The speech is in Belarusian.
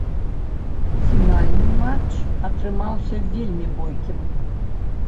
Фінальны матч атрымаўся вельмі бойкім.